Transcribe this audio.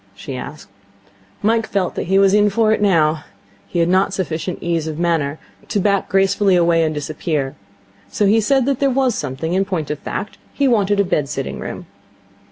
she asked. Mike felt that he was in for it now. He had not sufficient ease of manner to back gracefully away and disappear, so he said that there was something. In point of fact, he wanted a bed sitting room.